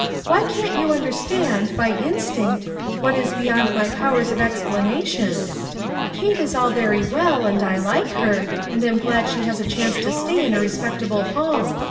" Why can't you understand, by instinct, what is beyond my powers of explanation, Kate is all very well, and I like her, and am glad she has a chance to stay in a respectable home.